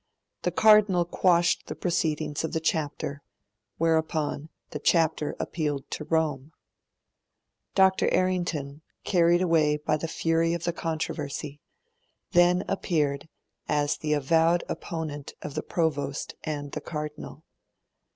The Cardinal quashed the proceedings of the Chapter; whereupon, the Chapter appealed to Rome. Dr. Errington, carried away by the fury of the controversy, then appeared as the avowed opponent of the Provost and the Cardinal.